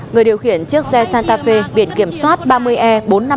người điều khiển chiếc xe santa fe viện kiểm soát ba mươi e bốn mươi năm nghìn năm trăm ba mươi bốn